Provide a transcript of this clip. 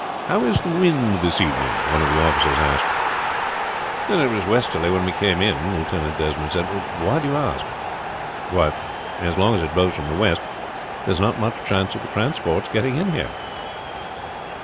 "How is the wind this evening?" one of the officers asked. "It was westerly when we came in," Lieutenant Desmond said. "Why do you ask?" "Why, as long as it blows from the west there is not much chance of the transports getting in here."